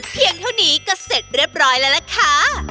เพียงเท่านี้ก็เสร็จเรียบร้อยแล้วล่ะค่ะ